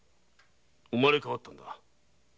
生まれ変わったのだ。